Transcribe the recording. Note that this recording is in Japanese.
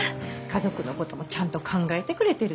家族のこともちゃんと考えてくれてるさぁねぇ。